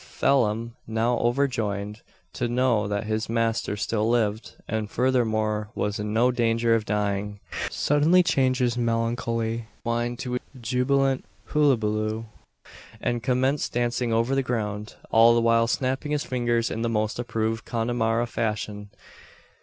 Phelim, now overjoyed to know that his master still lived and furthermore was in no danger of dying suddenly changed his melancholy whine to a jubilant hullaballoo, and commenced dancing over the ground, all the while snapping his fingers in the most approved Connemara fashion.